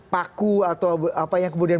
paku atau apa yang kemudian